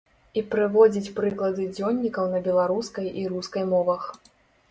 І прыводзіць прыклады дзённікаў на беларускай і рускай мовах.